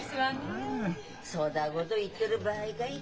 そだごと言ってる場合かい？